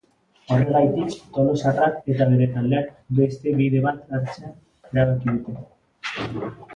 Horregaitik, tolosarrak eta bere taldeak, beste bide bat hartzea erabaki dute.